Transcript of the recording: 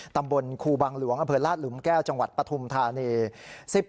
ตำบลครูบังหลวงอำเภอลาดหลุมแก้วจังหวัดปฐุมธานี